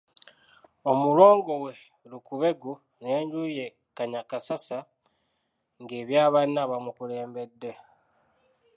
Omulongo we Lukubeggu n'enju ye Kannyakassasa ng'ebya banne abamukulembedde.